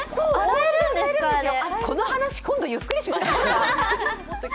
この話、今度ゆっくりしましょう。